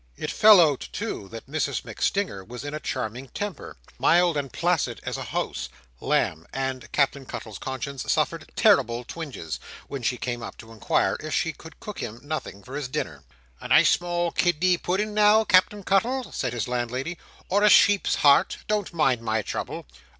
It fell out, too, that Mrs MacStinger was in a charming temper—mild and placid as a house—lamb; and Captain Cuttle's conscience suffered terrible twinges, when she came up to inquire if she could cook him nothing for his dinner. "A nice small kidney pudding now, Cap'en Cuttle," said his landlady: "or a sheep's heart. Don't mind my trouble."